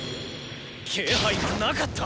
気配がなかった！